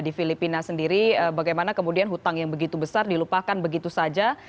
di filipina sendiri bagaimana kemudian hutang yang begitu besar dilupakan begitu saja